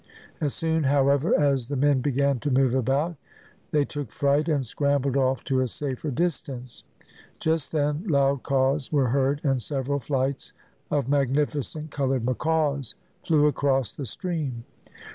As soon, however, as the men began to move about they took fright and scrambled off to a safer distance. Just then loud caws were heard, and several flights of magnificent coloured macaws flew across the stream.